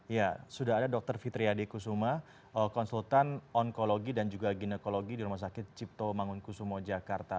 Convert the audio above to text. ya sudah ada dokter fitriade kusuma konsultan onkologi dan juga ginekologi di rumah sakit cipto mangun kusumo jakarta